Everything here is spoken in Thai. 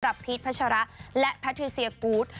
กับพีชพัชระและพาตรีเซียกูธ